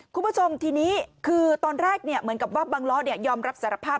คุณผู้ชมทีนี้คือตอนแรกเหมือนกับว่าบังล้อยอมรับสารภาพ